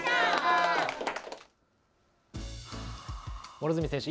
両角選手